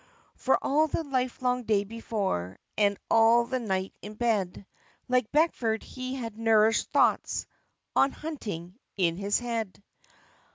For all the livelong day before, And all the night in bed, Like Beckford, he had nourished "Thoughts On Hunting" in his head.